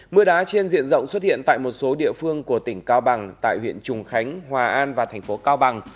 mưa đá trên diện rộng xuất hiện tại một số địa phương của tỉnh cao bằng tại huyện trùng khánh hòa an và thành phố cao bằng